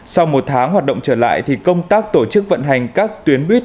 sau một tháng hoạt động trở lại thì công tác tổ chức vận hành các tuyến buýt